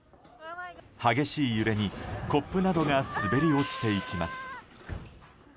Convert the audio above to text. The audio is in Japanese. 激しい揺れに、コップなどが滑り落ちていきます。